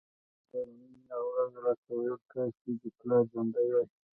په ژړغوني اواز یې راته ویل کاشکې دې پلار ژوندی وای.